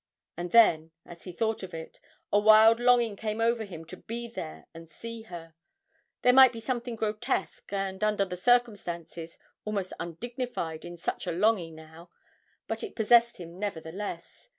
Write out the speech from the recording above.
And then, as he thought of it, a wild longing came over him to be there and see her; there might be something grotesque, and, under the circumstances, almost undignified in such a longing now, but it possessed him nevertheless.